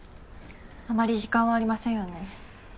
あまり時間はありませんよね。